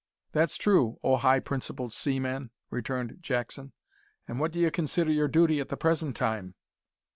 "That's true, O high principled seaman!" returned Jackson; "and what d'ye consider your duty at the present time?"